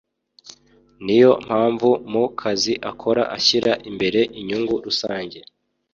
niyo mpamvu mu kazi akora ashyira imbere inyungu rusange